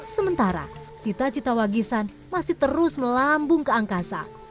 sementara cita cita wagisan masih terus melambung ke angkasa